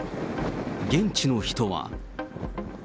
現地の人は。